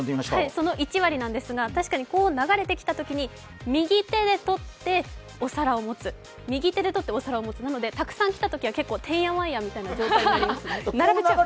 その１割なんですが確かに流れてきたときに右手で取ってお皿を持つ、右手で取ってお皿を持つなのでなのでたくさん来たときはてんやわんやみたいな状態になります。